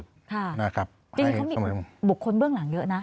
จริงเขามีบุคคลเบื้องหลังเยอะนะ